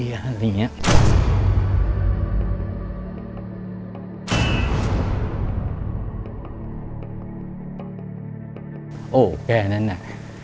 อเจมส์แปลว่านั้น